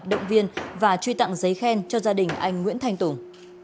động viên và truy tặng giấy khen cho gia đình anh nguyễn thanh tùng